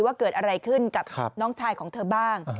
ว่าเกิดอะไรขึ้นกับน้องชายของเธอบ้าง